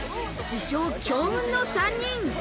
自称強運の３人！